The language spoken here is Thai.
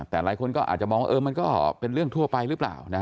แต่หลายคนก็อาจจะมองว่ามันก็เป็นเรื่องทั่วไปหรือเปล่า